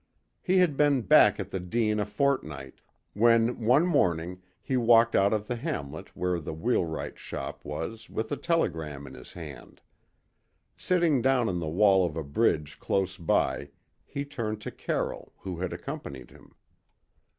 He had been back at the Dene a fortnight, when one morning he walked out of the hamlet where the wheelwright's shop was with a telegram in his hand. Sitting down on the wall of a bridge close by, he turned to Carroll, who had accompanied him.